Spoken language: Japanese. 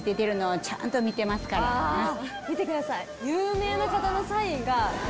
見てください！